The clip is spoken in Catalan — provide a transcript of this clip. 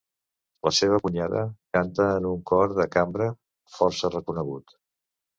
La seva cunyada canta en un cor de cambra força reconegut.